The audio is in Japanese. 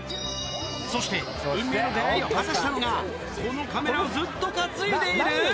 そして、運命の出会いを果たしたのが、このカメラをずっと担いでいる。